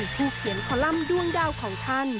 ผู้เขียนคอลัมป์ด้วงดาวของท่าน